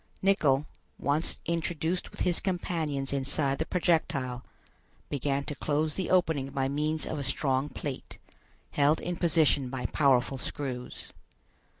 Nicholl, once introduced with his companions inside the projectile, began to close the opening by means of a strong plate, held in position by powerful screws.